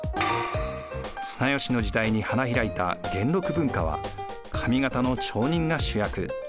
綱吉の時代に花開いた元禄文化は上方の町人が主役。